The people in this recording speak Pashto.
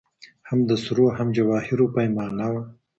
هم د سرو هم جواهرو پیمانه وه